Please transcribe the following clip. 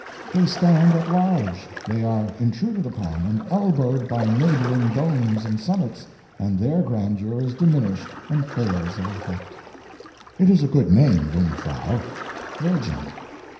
They stand at large; they are intruded upon and elbowed by neighboring domes and summits, and their grandeur is diminished and fails of effect. It is a good name, Jungfrau—Virgin.